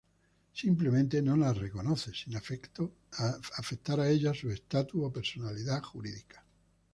Simplemente, no las reconoce, sin afectar ello a su estatus o personalidad jurídica.